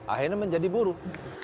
akhirnya menjadi buruh